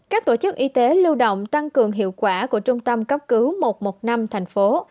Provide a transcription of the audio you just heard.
các tổ chức y tế lưu động tăng cường hiệu quả của trung tâm cấp cứu một trăm một mươi năm thành phố